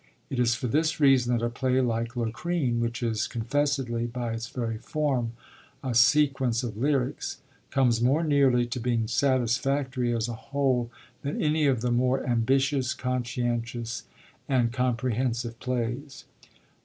It is for this reason that a play like Locrine, which is confessedly, by its very form, a sequence of lyrics, comes more nearly to being satisfactory as a whole than any of the more 'ambitious, conscientious, and comprehensive' plays.